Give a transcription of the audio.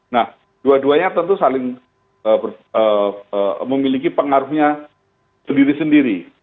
nah dua duanya tentu saling memiliki pengaruhnya sendiri sendiri